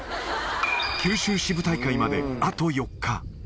九州支部大会まであと４日。